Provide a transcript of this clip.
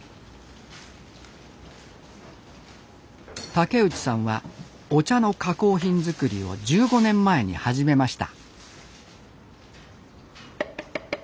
竹内さんはお茶の加工品づくりを１５年前に始めました